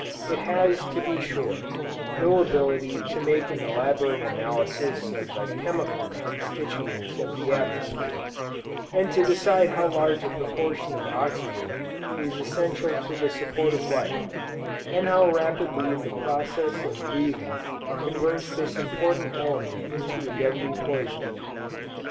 It has, to be sure, no ability to make an elaborate analysis of the chemical constituents of the atmosphere, and to decide how large a proportion of oxygen is essential to the support of life, and how rapidly the process of breathing converts this important element into a deadly poison.